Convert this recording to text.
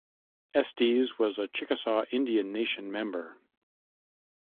Estes was a Chickasaw Indian Nation member.